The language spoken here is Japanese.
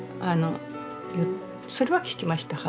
それは聞きました母から。